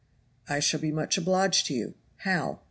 "I shall be much obliged to you. How?"